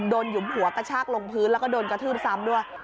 หยุมหัวกระชากลงพื้นแล้วก็โดนกระทืบซ้ำด้วย